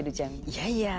いやいや。